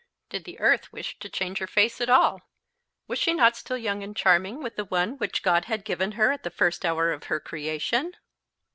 Did the earth wish to change her face at all? Was she not still young and charming with the one which God had given her at the first hour of her creation?